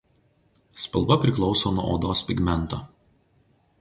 Spalva priklauso nuo odos pigmento.